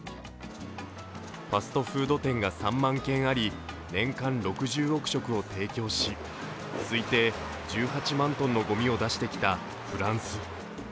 ファストフード店が３万軒あり、年間６６億食を提供し、推定１８万トンのごみを出してきたフランス。